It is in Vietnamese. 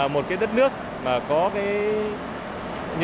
một cái đất nước mà có cái